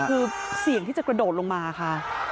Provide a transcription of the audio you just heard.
คือเสี่ยงที่จะกระโดดลงมาค่ะ